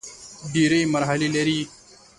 ډېري مرحلې لري .